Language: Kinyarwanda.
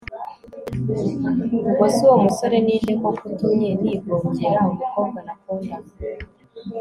ubwo se uwo musore ninde koko utumye nigongera umukobwa nakundaga